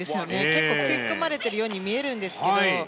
結構、食い込まれているように見えるんですけれども。